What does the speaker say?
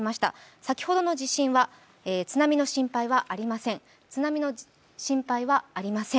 先ほどの地震は津波の心配はありません。